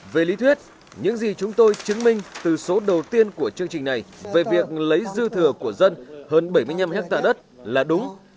về lý thuyết những gì chúng tôi chứng minh từ số đầu tiên của chương trình này về việc lấy dư thừa của dân hơn bảy mươi năm hectare đất là đúng